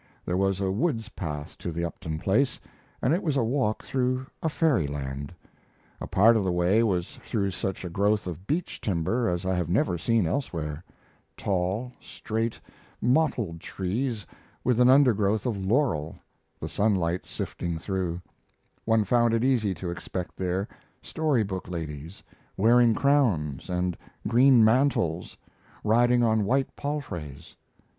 There was a woods path to the Upton place, and it was a walk through a fairyland. A part of the way was through such a growth of beech timber as I have never seen elsewhere: tall, straight, mottled trees with an undergrowth of laurel, the sunlight sifting through; one found it easy to expect there storybook ladies, wearing crowns and green mantles, riding on white palfreys.